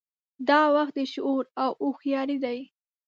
دا وخت د شعور او هوښیارۍ دی.